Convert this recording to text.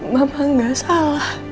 mama gak salah